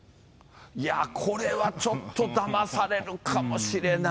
いや、これはちょっとだまされるかもしれない。